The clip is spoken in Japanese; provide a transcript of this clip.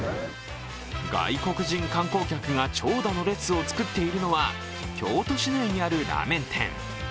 外国人観光客が長蛇の列を作っているのは京都市内にあるラーメン店。